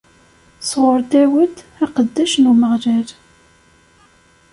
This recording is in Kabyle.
Sɣur Dawed, aqeddac n Umeɣlal.